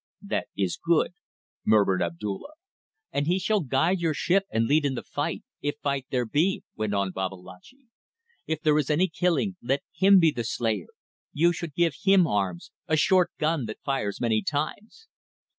"That is good," murmured Abdulla. "And he shall guide your ship and lead in the fight if fight there be," went on Babalatchi. "If there is any killing let him be the slayer. You should give him arms a short gun that fires many times."